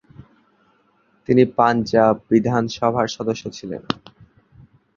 তিনি পাঞ্জাব বিধানসভার সদস্য ছিলেন।